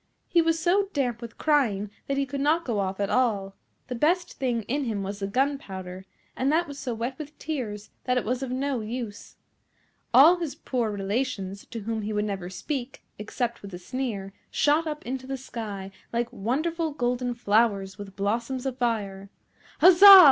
He was so damp with crying that he could not go off at all. The best thing in him was the gunpowder, and that was so wet with tears that it was of no use. All his poor relations, to whom he would never speak, except with a sneer, shot up into the sky like wonderful golden flowers with blossoms of fire. Huzza!